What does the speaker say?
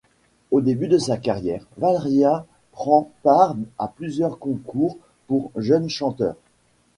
Au début de sa carrière Valeria prend part à plusieurs concours pour jeunes chanteurs.